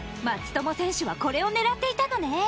松友選手はこれを狙っていたのね。